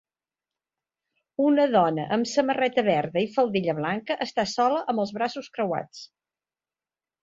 Una dona amb samarreta verda i faldilla blanca està sola amb els braços creuats.